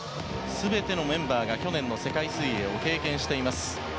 全てのメンバーが去年の世界水泳を経験しています。